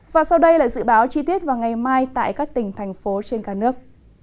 và sau đây là dự báo chi tiết vào ngày mai tại các tỉnh thành phố trên cả nước